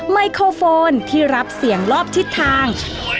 ไมโครโฟนที่รับเสียงรอบทิศทาง